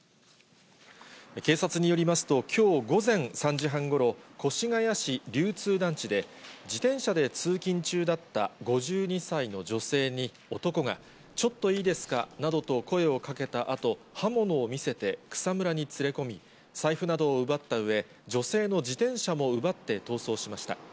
警察によりますと、きょう午前３時半ごろ、越谷市流通団地で、自転車で通勤中だった５２歳の女性に男が、ちょっといいですかなどと声をかけたあと、刃物を見せて草むらに連れ込み、財布などを奪ったうえ、女性の自転車も奪って逃走しました。